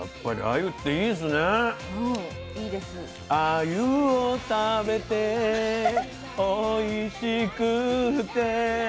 「あゆを食べておいしくって」